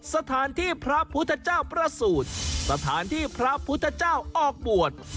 สถานที่พระพุทธเจ้าประสูจน์สถานที่พระพุทธเจ้าออกบวช